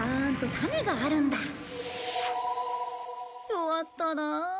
弱ったなあ。